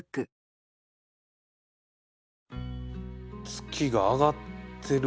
月が上がってる。